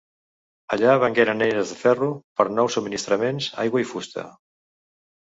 Allà vengueren eines de ferro per nous subministraments, aigua i fusta.